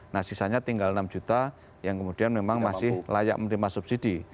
nah sisanya tinggal enam juta yang kemudian memang masih layak menerima subsidi